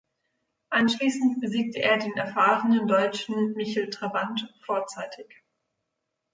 Anschließend besiegte er den erfahrenen Deutschen Michel Trabant vorzeitig.